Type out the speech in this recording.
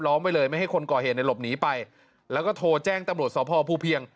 ไว้เลยไม่ให้คนก่อเหตุในหลบหนีไปแล้วก็โทรแจ้งตำรวจสพภูเพียง